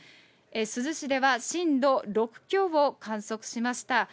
珠洲市では震度６強を観測しました。